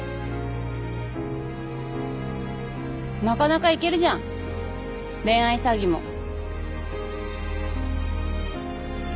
なかなかいけるじゃん恋愛詐欺も。